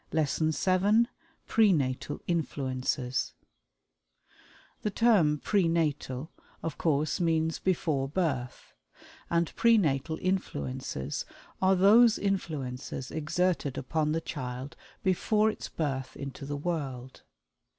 LESSON VII PRE NATAL INFLUENCES The term "Pre Natal" of course means "before birth," and Pre Natal Influences are those influences exerted upon the child before its birth into the world.